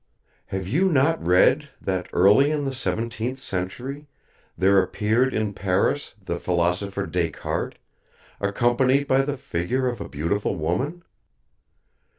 "Have you not read that early in the seventeenth century there appeared in Paris the philosopher Descartes, accompanied by the figure of a beautiful woman?